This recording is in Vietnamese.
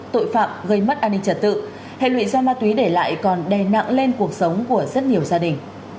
tội phạm gây mất an ninh trật tự hệ lụy do ma túy để lại còn đè nặng lên cuộc sống của rất nhiều gia đình